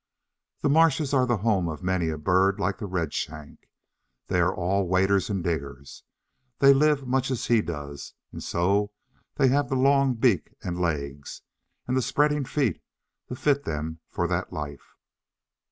The marshes are the home of many a bird like the Redshank. They are all waders and diggers. They live much as he does, and so they have the long beak and legs, and the spreading feet, to fit them for that life.